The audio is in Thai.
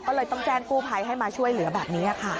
ก็เลยต้องแจ้งกู้ภัยให้มาช่วยเหลือแบบนี้ค่ะ